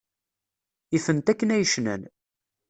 Ifen-t akken ay cnan.